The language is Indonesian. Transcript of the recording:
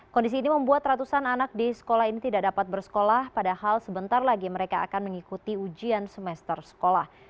kondisi ini membuat ratusan anak di sekolah ini tidak dapat bersekolah padahal sebentar lagi mereka akan mengikuti ujian semester sekolah